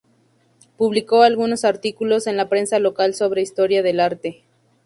Publicó algunos artículos en la prensa local sobre historia del arte.